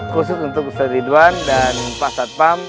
khusus untuk ustaz ridwan dan pak ustaz pam